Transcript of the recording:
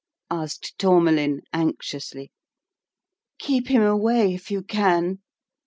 " asked Tourmalin, anxiously. " Keep him away, if you can !